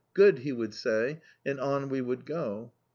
"Good," he would say, and on we would go.